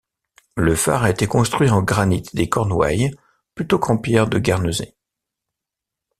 Le phare a été construit en granit des Cornouailles plutôt qu'en pierre de Guernesey.